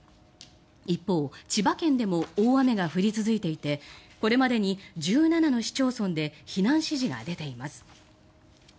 一方、千葉県でも大雨が降り続いていてこれまでに１７の市町村で避難指示が出ています。